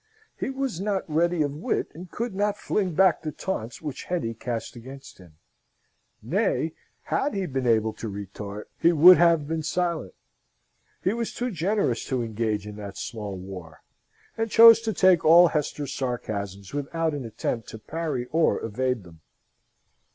He was not ready of wit, and could not fling back the taunts which Hetty cast against him. Nay, had he been able to retort, he would have been silent. He was too generous to engage in that small war, and chose to take all Hester's sarcasms without an attempt to parry or evade them.